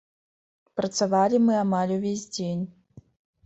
Працавалі мы амаль увесь дзень.